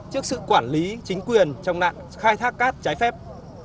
trước sự quản lý chính quyền trong nạn khai thác cát trái phép